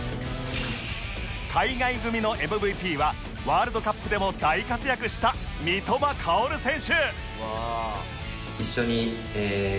海外組の ＭＶＰ はワールドカップでも大活躍した三笘薫選手